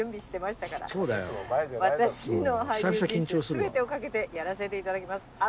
「全てをかけてやらせていただきます！！」